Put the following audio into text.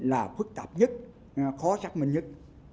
là phức tạp nhất khó xác minh nhất